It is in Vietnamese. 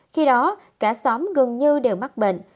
khi đó cả xóm gần như đều mắc bệnh